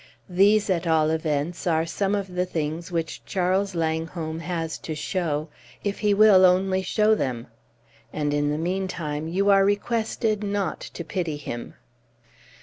These, at all events, are some of the things which Charles Langholm has to show, if he will only show them. And in the meantime you are requested not to pity him.